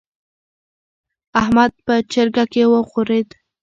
احمد په جرګه کې وغورېد.